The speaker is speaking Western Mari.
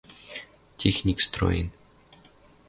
Техник строен...